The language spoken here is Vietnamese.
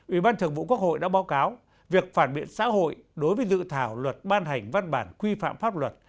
ủy ban thường vụ quốc hội đã báo cáo việc phản biện xã hội đối với dự thảo luật ban hành văn bản quy phạm pháp luật